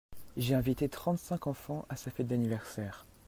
J'ai invité trente cinq enfants à sa fête d'anniversaire.